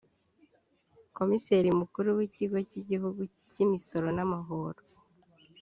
Komiseri Mukuru w’Ikigo cy’Igihugu cy’Imisoro n’amahoro